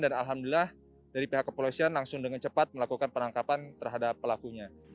alhamdulillah dari pihak kepolisian langsung dengan cepat melakukan penangkapan terhadap pelakunya